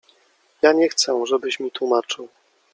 „Ja nie chcę, żebyś mi tłumaczył.